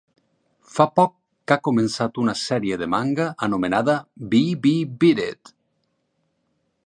Fa poc que ha començat una sèrie de manga anomenada Bee-be-beat it!